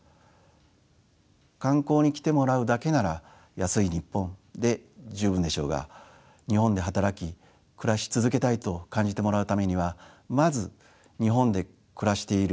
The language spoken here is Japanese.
観光に来てもらうだけなら「安いニッポン！」で十分でしょうが日本で働き暮らし続けたいと感じてもらうためにはまず日本で暮らしている